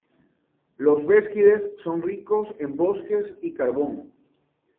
Los Beskides son ricos en bosques y carbón.